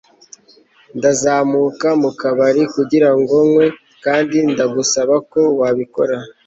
ndazamuka mu kabari kugira ngo nywe, kandi ndagusaba ko wabikora